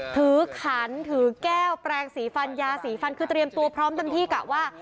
ขันถือแก้วแปลงสีฟันยาสีฟันคือเตรียมตัวพร้อมเต็มที่กะว่า